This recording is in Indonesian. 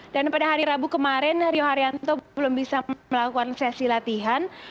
dan pada hari rabu kemarin rio haryanto belum bisa melakukan sesi latihan